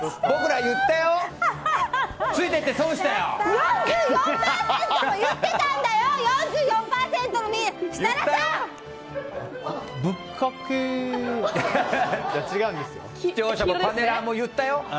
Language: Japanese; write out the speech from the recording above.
僕ら、言ったよ。